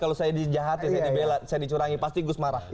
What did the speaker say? kalau saya jadi santri pasti kalau saya dijahatin saya dicurangi pasti gus marah